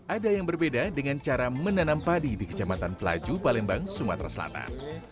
ada yang berbeda dengan cara menanam padi di kecamatan pelaju palembang sumatera selatan